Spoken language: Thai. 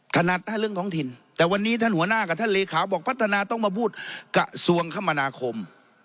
นัดให้เรื่องท้องถิ่นแต่วันนี้ท่านหัวหน้ากับท่านเลขาบอกพัฒนาต้องมาพูดกระทรวงคมนาคม